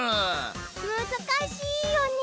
むずかしいよね。